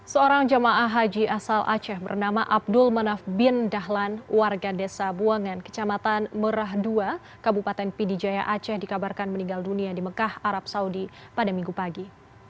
seorang jamaah haji asal aceh bernama abdul manaf bin dahlan warga desa buangan kecamatan merah dua kabupaten pidijaya aceh dikabarkan meninggal dunia di mekah arab saudi pada minggu pagi